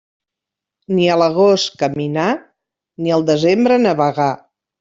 Ni a l'agost caminar, ni al desembre navegar.